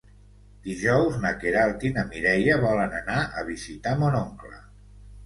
Dijous na Queralt i na Mireia volen anar a visitar mon oncle.